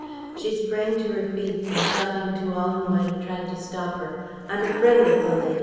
She sprang to her feet, and shouting to all who might have tried to stop her "I'm a friend of the lady.